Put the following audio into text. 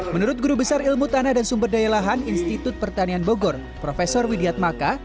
menurut guru besar ilmu tanah dan sumber daya lahan institut pertanian bogor prof widiat maka